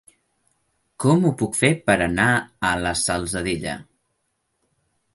Com ho puc fer per anar a la Salzadella?